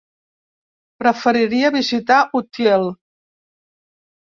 Preferiria visitar Utiel.